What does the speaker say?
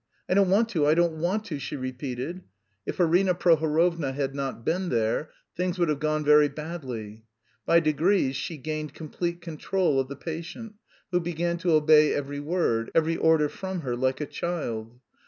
"I don't want to, I don't want to!" she repeated. If Arina Prohorovna had not been there, things would have gone very badly. By degrees she gained complete control of the patient who began to obey every word, every order from her like a child.